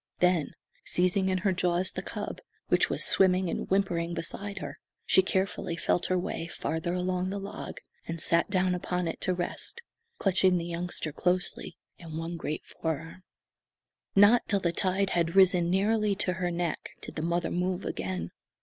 Then, seizing in her jaws the cub, which was swimming and whimpering beside her, she carefully felt her way farther along the log, and sat down upon it to rest, clutching the youngster closely in one great fore arm. Not till the tide had risen nearly to her neck did the mother move again.